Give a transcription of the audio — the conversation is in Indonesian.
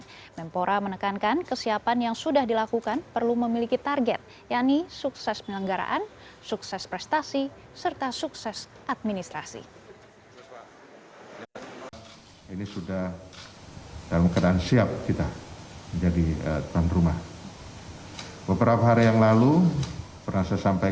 kemempora menekankan kesiapan yang sudah dilakukan perlu memiliki target yaitu sukses penyelenggaraan sukses prestasi serta sukses administrasi